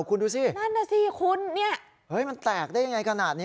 คุณดูสินั่นน่ะสิคุณเนี่ยเฮ้ยมันแตกได้ยังไงขนาดนี้